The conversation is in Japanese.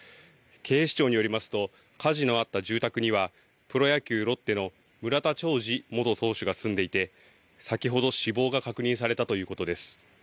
警視庁によりますと火事のあった住宅にはプロ野球、ロッテの村田兆治元投手が住んでいて先ほど死亡が確認されたということです。